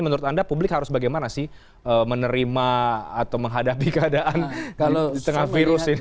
menurut anda publik harus bagaimana sih menerima atau menghadapi keadaan kalau di tengah virus ini